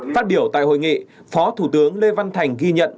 phát biểu tại hội nghị phó thủ tướng lê văn thành ghi nhận